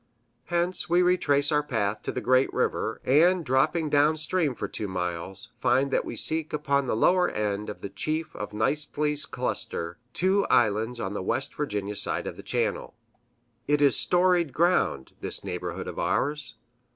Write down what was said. Hence we retrace our path to the great river, and, dropping down stream for two miles, find what we seek upon the lower end of the chief of Kneistly's Cluster two islands on the West Virginia side of the channel. It is storied ground, this neighborhood of ours.